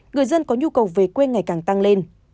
người dân có nhu cầu về quê ngày càng tăng lên